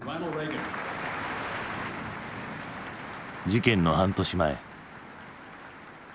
事件の半年前。